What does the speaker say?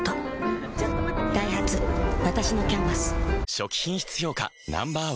初期品質評価Ｎｏ．１